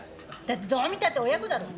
だってどう見たって親子だろ。